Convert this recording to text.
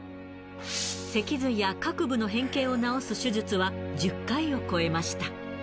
脊髄や各部の変形を治す手術は１０回を超えました。